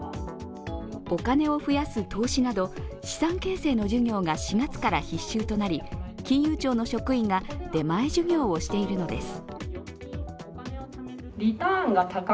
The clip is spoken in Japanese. お金を増やす投資など資産形成の授業が４月から必修となり、金融庁の職員が出前授業をしているのです。